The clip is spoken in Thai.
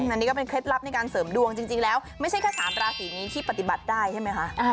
อันนี้ก็เป็นเคล็ดลับในการเสริมดวงจริงแล้วไม่ใช่แค่๓ราศีนี้ที่ปฏิบัติได้ใช่ไหมคะ